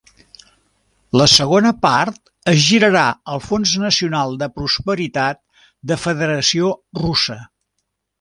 La segona part es girarà al Fons Nacional de Prosperitat de Federació Russa.